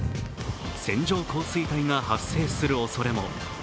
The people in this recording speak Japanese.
線状降水帯が発生するおそれも。